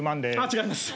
違います。